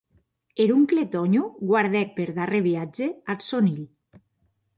Er oncle Tònho guardèc per darrèr viatge ath sòn hilh.